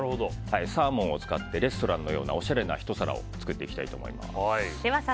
サーモンを使ってレストランのようなおしゃれなひと皿を作っていきます。